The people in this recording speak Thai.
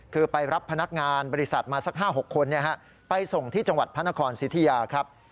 คือไปรับพนักงานบริษัทมาสัก๕๖คนไปส่งที่จังหวัดพระนครสิทธิยาครับ